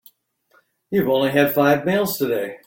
You've only had five meals today.